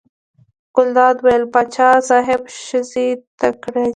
ګلداد وویل: پاچا صاحب ښځې تکړې دي.